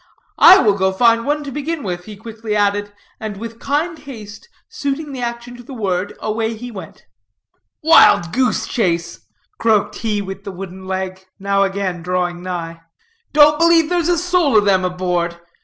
"I will go find one to begin with," he quickly added, and, with kind haste suiting the action to the word, away he went. "Wild goose chase!" croaked he with the wooden leg, now again drawing nigh. "Don't believe there's a soul of them aboard.